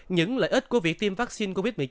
những lợi ích của việc tiêm vaccine covid một mươi chín